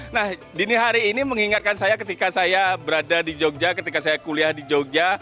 nah dini hari ini mengingatkan saya ketika saya berada di jogja ketika saya kuliah di jogja